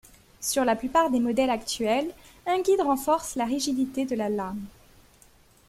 Sur la plupart des modèles actuels, un guide renforce la rigidité de la lame.